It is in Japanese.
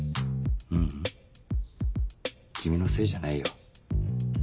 ううん君のせいじゃないよ。